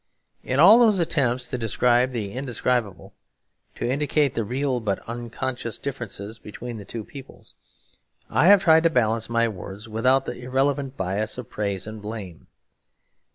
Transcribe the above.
In all these attempts to describe the indescribable, to indicate the real but unconscious differences between the two peoples, I have tried to balance my words without the irrelevant bias of praise and blame.